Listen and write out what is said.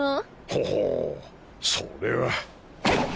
ほほうそれは。